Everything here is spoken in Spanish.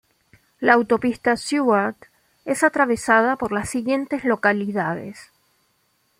La Autopista Seward es atravesada por las siguientes localidades.